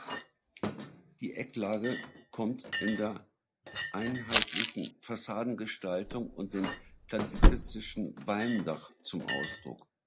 Die Ecklage kommt in der einheitlichen Fassadengestaltung und dem klassizistischen Walmdach zum Ausdruck.